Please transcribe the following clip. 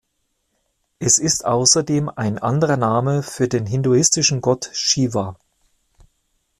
Es ist außerdem ein anderer Name für den hinduistischen Gott Shiva.